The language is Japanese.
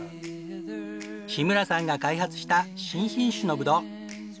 志村さんが開発した新品種のぶどう。